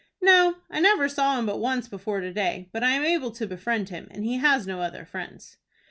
"No, I never saw him but once before to day, but I am able to befriend him, and he has no other friends."